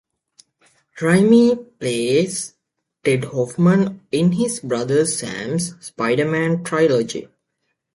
Raimi plays Ted Hoffman in his brother Sam's "Spider-Man" trilogy.